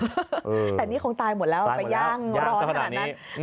แต่นี่คงตายหมดแล้วเอาไปย่างร้อนขนาดนั้น